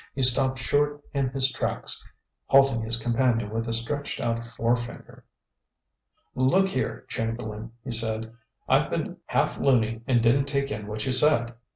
He stopped short in his tracks, halting his companion with a stretched out forefinger. "Look here, Chamberlain," he said, "I've been half loony and didn't take in what you said.